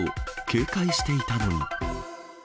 警戒していたのに。